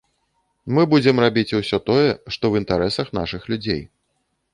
Мы будзем рабіць усё тое, што ў інтарэсах нашых людзей.